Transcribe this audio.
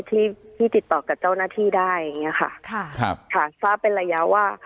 ที่ติดต่อกับเจ้าหน้าที่ได้อย่างนี้ค่ะทราบเป็นระยะว่า